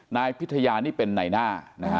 นายพิธยานี่เป็นในหน้า